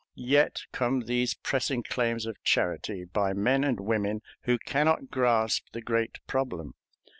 Yet come these pressing claims of charity, by men and women who can not grasp the great problem.